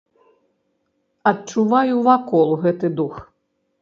Адчуваю вакол гэты дух.